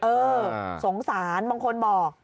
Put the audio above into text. สงสารบางคนบอก